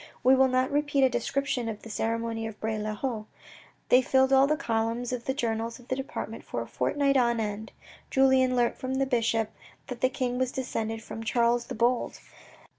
We will not repeat a description of the ceremony of Bray le Haut. They filled all the columns of the journals of the department for a fortnight on end. Julien learnt from the bishop that the king was descended from Charles the Bold.